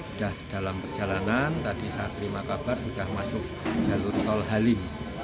sudah dalam perjalanan tadi saya terima kabar sudah masuk jalur tol halim